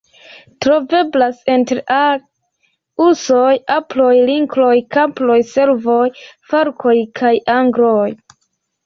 Troveblas inter alie ursoj, aproj, linkoj, kaproj, cervoj, falkoj kaj agloj.